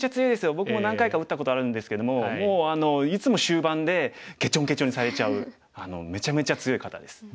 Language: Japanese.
僕も何回か打ったことあるんですけどももういつも終盤でけちょんけちょんにされちゃうめちゃめちゃ強い方です。